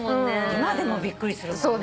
今でもびっくりするもんね。